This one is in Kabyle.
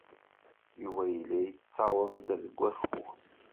Yuba yella yettaweḍ-d deg wakud.